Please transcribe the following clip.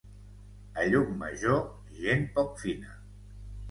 A Llucmajor, gent poc fina.